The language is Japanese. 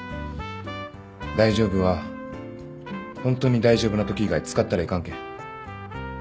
「大丈夫」はホントに大丈夫なとき以外使ったらいかんけん